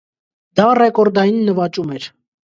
Դա ռեկորդային նվաճում էր։